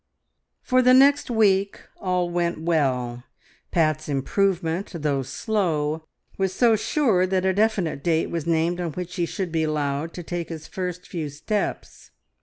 For the next week all went well. Pat's improvement, though slow, was so sure that a definite date was named on which he should be allowed to take his first few steps.